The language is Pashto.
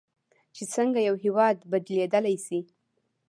چې څنګه یو هیواد بدلیدلی شي.